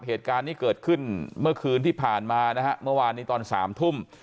เหตุการณ์นี้เกิดขึ้นเมื่อคืนที่ผ่านมานะฮะเมื่อวานนี้ตอน๓ทุ่ม